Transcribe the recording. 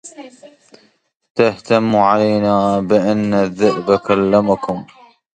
تهتم علينا بأن الذئب كلمكم